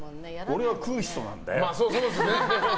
俺は食う人なんだよ。